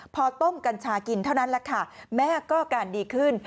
พอต้มกัญชากินเท่านั้นแหละค่ะแม่ก็อาการดีขึ้น